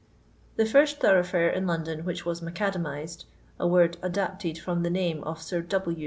The first thoroughfsre in London which was macadamised, a weed adapted from the name of Sir W.